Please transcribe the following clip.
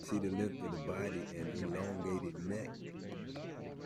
See the length of the body and that elongated neck.